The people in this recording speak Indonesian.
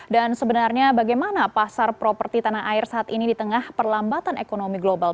dan sebenarnya bagaimana pasar properti tanah air saat ini di tengah perlambatan ekonomi global